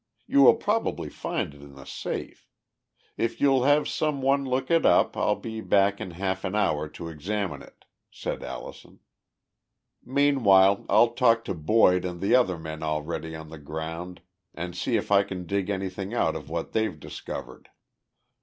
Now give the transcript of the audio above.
You will probably find it in the safe. If you'll have some one look it up, I'll be back in half an hour to examine it," said Allison. "Meanwhile, I'll talk to Boyd and the other men already on the ground and see if I can dig anything out of what they've discovered."